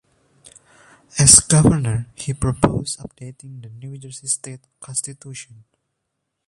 As governor, he proposed updating the New Jersey State Constitution.